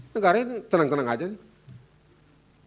negara ini tenang tenang aja nih